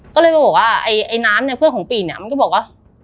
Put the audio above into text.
ก็เลยมาบอกว่าไอ้น้ำเนี่ยเพื่อนของปีเนี่ยมันก็บอกว่า